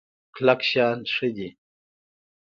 کلک شان ښه دی.